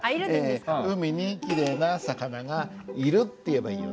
「海にきれいな魚がいる」って言えばいいよね。